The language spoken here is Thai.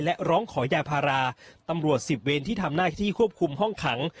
และร้องขอยาพาราตำรวจ๑๐เวรที่ทำหน้าที่ควบคุมห้องขัง